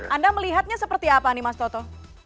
anda melihatnya seperti apa nih mas toto